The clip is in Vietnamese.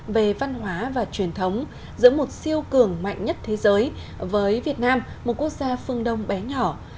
về văn hóa và truyền thống giữa một siêu cường mạnh nhất thế giới với việt nam một quốc gia phương đông bé nhỏ